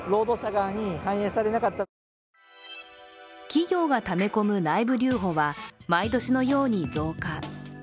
企業がため込む内部留保は毎年のように増加。